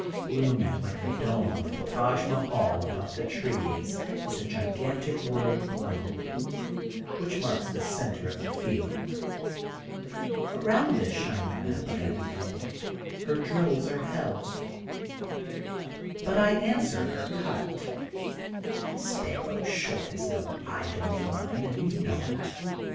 Looming like the dome of the Taj Mahal above the trees is a gigantic world globe, which marks the center of the field. Around this shining map of everything her drills are held. 82 THE GOLDEN BOOK OF SPRINGFIELD But I answer her cut: Sparrow Short is no idol of mine, and you know it.